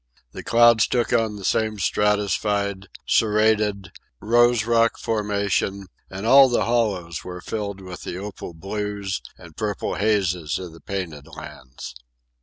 The clouds took on the same stratified, serrated, rose rock formation, and all the hollows were filled with the opal blues and purple hazes of the Painted Lands.